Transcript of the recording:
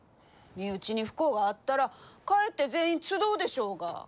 身内に不幸があったらかえって全員集うでしょうが！